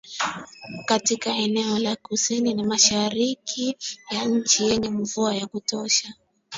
Katika eneo la kusini ya mashariki ya nchi yenye mvua ya kutosha